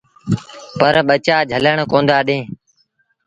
پر ٻچآ جھلڻ ڪوندآ ڏيݩ۔